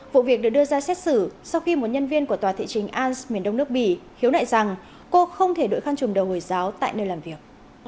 vụ việc được đưa ra xét xử sau khi một nhân viên của tòa thị trình ans miền đông nước bỉ hiếu nại rằng cô không thể đổi khăn trùm đầu người giáo tại nơi làm việc